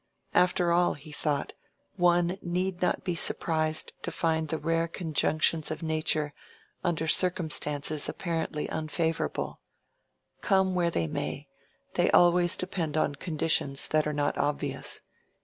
After all, he thought, one need not be surprised to find the rare conjunctions of nature under circumstances apparently unfavorable: come where they may, they always depend on conditions that are not obvious.